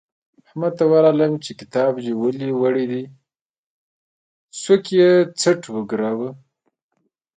احمد ته ورغلم چې کتاب دې ولې وړل دی؛ سوکه یې څټ وګاراوو.